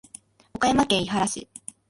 岡山県井原市